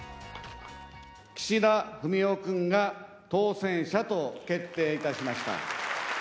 岸田文雄君が当選者と決定いたしました。